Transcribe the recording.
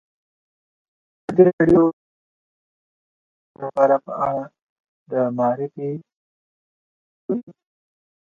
ازادي راډیو د تعلیمات د نجونو لپاره په اړه د معارفې پروګرامونه چلولي.